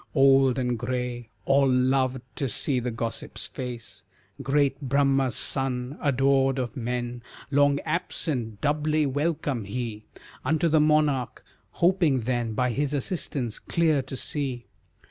Old and gray, All loved to see the gossip's face, Great Brahma's son, adored of men, Long absent, doubly welcome he Unto the monarch, hoping then By his assistance, clear to see.